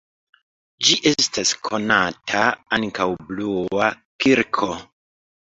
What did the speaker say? Ĝi estas konata ankaŭ blua kirko.